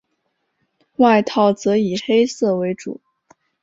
外套则以黑色为主。